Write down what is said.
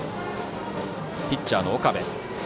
ピッチャーの岡部。